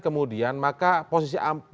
kemudian maka posisi